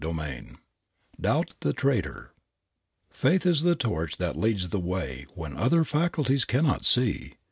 CHAPTER III DOUBT THE TRAITOR Faith is the torch that leads the way when the other faculties cannot see.